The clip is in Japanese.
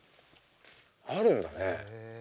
あるんだねえ。